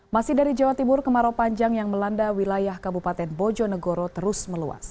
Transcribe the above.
masih dari jawa timur kemarau panjang yang melanda wilayah kabupaten bojonegoro terus meluas